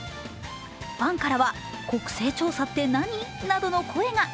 ファンからは国勢調査って何？などの声が。